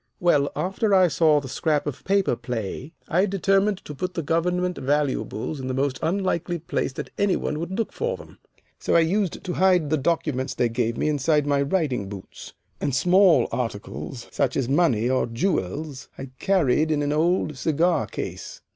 Well, after I saw the 'Scrap of Paper' play, I determined to put the government valuables in the most unlikely place that any one would look for them. So I used to hide the documents they gave me inside my riding boots, and small articles, such as money or jewels, I carried in an old cigar case.